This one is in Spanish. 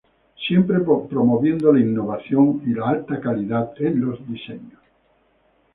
Siempre promoviendo la innovación y la alta calidad en los diseños.